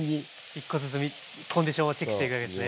１個ずつコンディションをチェックしていくわけですね。